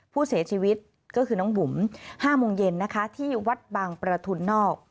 ผู้เสียชีวิตก็คือน้องบุ๋ม๕โมงเย็นนะคะที่วัดบางประทุนนอก